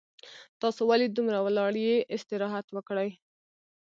تاسو ولې دومره ولاړ یي استراحت وکړئ